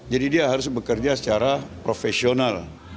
jadi dia harus bekerja secara profesional